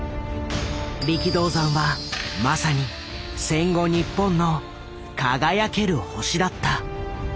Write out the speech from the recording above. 力道山はまさに戦後日本の輝ける星だった。